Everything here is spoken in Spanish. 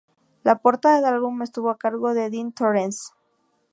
La portada del álbum estuvo a cargo de Dean Torrence.